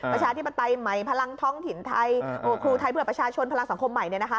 ประชาธิปไตยใหม่พลังท้องถิ่นไทยครูไทยเพื่อประชาชนพลังสังคมใหม่เนี่ยนะคะ